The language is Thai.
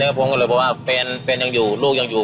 ผมก็เลยบอกว่าแฟนยังอยู่ลูกยังอยู่